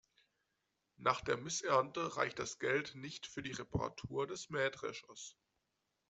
Nach der Missernte reicht das Geld nicht für die Reparatur des Mähdreschers.